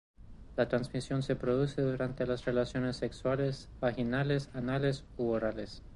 La transmisión se produce durante las relaciones sexuales vaginales, anales u orales.